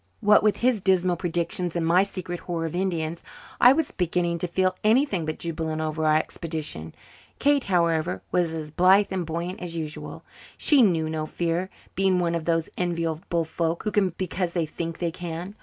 What with his dismal predictions and my secret horror of Indians, I was beginning to feel anything but jubilant over our expedition. Kate, however, was as blithe and buoyant as usual. She knew no fear, being one of those enviable folk who can because they think they can.